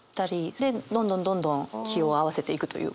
でどんどんどんどん気を合わせていくというか。